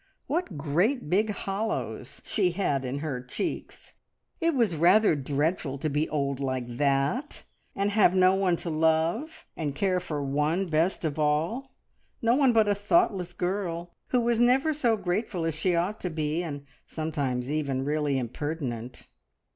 What great big hollows she had in her cheeks! It was rather dreadful to be old like that, and have no one to love and care for one best of all, no one but a thoughtless girl, who was never so grateful as she ought to be, and sometimes even really impertinent.